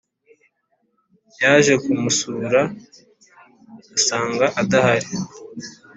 yaje kumusura asanga adahari